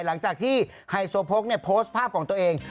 หลังจากที่ไฮโซโพกโพสต์ภาพของตัวเอง